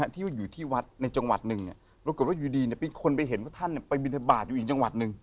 ที่อยู่ที่วัดในจังหวัดหนึ่งปรากฏว่าอยู่ดีเป็นคนไปเห็นว่าท่านไปบินทบาทอยู่อีกจังหวัดหนึ่ง